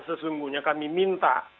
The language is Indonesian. sesungguhnya kami minta